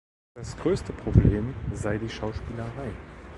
Das größte Problem sei die Schauspielerei.